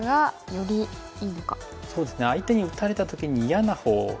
相手に打たれた時に嫌なほう。